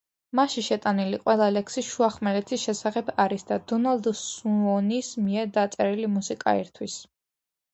მასში შეტანილი ყველა ლექსი შუახმელეთის შესახებ არის და დონალდ სუონის მიერ დაწერილი მუსიკა ერთვის.